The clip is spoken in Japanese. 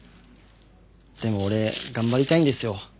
でも俺頑張りたいんですよ。